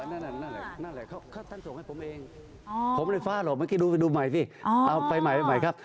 อ๋อนั่นแหละเขาท่านส่งให้ผมเองผมเลยฟ้าหรอเมื่อกี้ดูใหม่สิเอาไปใหม่ครับ